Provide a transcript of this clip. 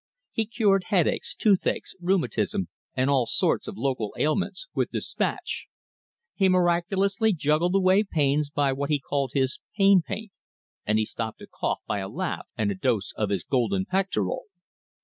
He cured headaches, toothaches, rheumatism, and all sorts of local ailments "with despatch." He miraculously juggled away pains by what he called his Pain Paint, and he stopped a cough by a laugh and a dose of his Golden Pectoral.